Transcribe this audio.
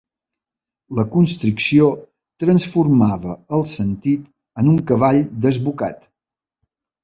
La constricció transformava el sentit en un cavall desbocat.